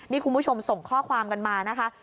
นี่คุณผู้ชมส่งข้อความกันมานะคะ